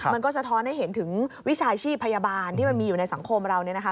มันก็สะท้อนให้เห็นถึงวิชาชีพพยาบาลที่มันมีอยู่ในสังคมเรา